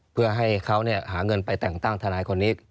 เพื่อให้เขาหาเงินไปแต่งตั้งทนายคนนี้